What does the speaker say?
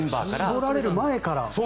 絞られる前から。